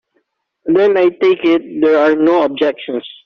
Then I take it there are no objections.